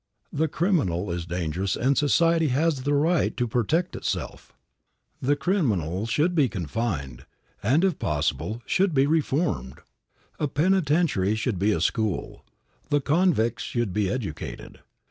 The criminal is dangerous and society has the right to protect itself. The criminal should be confined, and, if possible, should be reformed. A pentitentiary should be a school; the convicts should be educated.